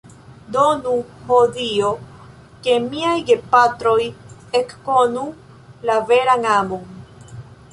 Donu, ho Dio, ke miaj gepatroj ekkonu la veran amon.